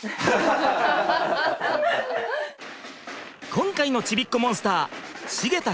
今回のちびっこモンスター繁田